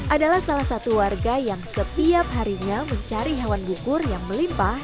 adalah salah satu warga yang setiap harinya mencari hewan bukur yang melimpah